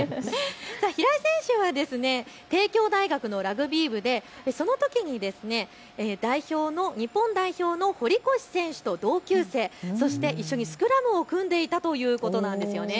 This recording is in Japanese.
平井選手は帝京大学のラグビー部で、そのときに日本代表の堀越選手と同級生で一緒にスクラムを組んでいたということなんです。